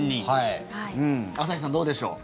朝日さん、どうでしょう。